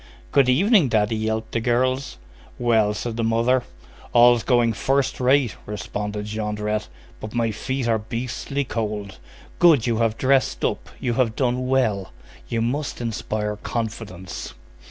"Good evening, daddy," yelped the girls. "Well?" said the mother. "All's going first rate," responded Jondrette, "but my feet are beastly cold. Good! You have dressed up. You have done well! You must inspire confidence."